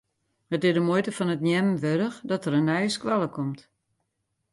It is de muoite fan it neamen wurdich dat der in nije skoalle komt.